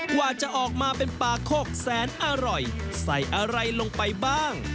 กว่าจะออกมาเป็นปลาโคกแสนอร่อยใส่อะไรลงไปบ้าง